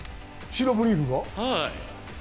白ブリーフが。